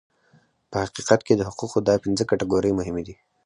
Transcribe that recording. په حقیقت کې د حقوقو دا پنځه کټګورۍ مهمې دي.